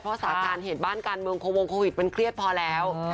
เพราะสาการเหตุบ้านการเมืองโควงโควิดมันเครียดพอแล้ว